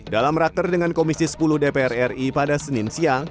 dalam rakter dengan komisi sepuluh dpr ri pada senin siang